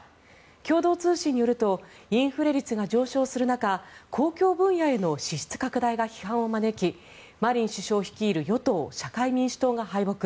共同通信によるとインフレ率が上昇する中公共分野への支出拡大が批判を招きマリン首相率いる与党・社会民主党が敗北。